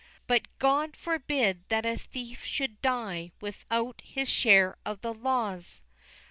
XXV. But God forbid that a thief should die Without his share of the laws!